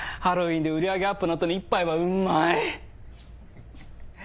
ハロウィンで売り上げアップのあとの一杯はうまい！